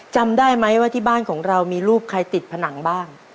จำได้ไหมว่าที่บ้านของเรามีรูปใครติดผนังบ้าง